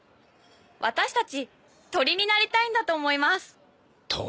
私たち鳥になりたいんだと思います鳥？